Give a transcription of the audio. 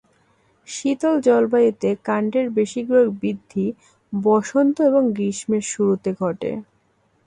শীতল জলবায়ুতে কাণ্ডের বেশিরভাগ বৃদ্ধি বসন্ত এবং গ্রীষ্মের শুরুতে ঘটে।